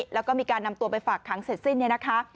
แล้วก็มีการนำตัวไปฝากครั้งเสร็จสิ้น